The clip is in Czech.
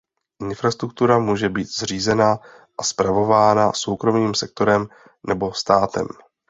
Infrastruktura může být zřízena a spravována soukromým sektorem nebo státem.